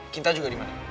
kita juga dimana